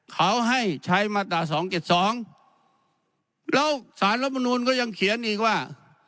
เขาให้ใช้มาตราสองเก็ดสองแล้วสารละบนูลก็ยังเขียนอีกว่า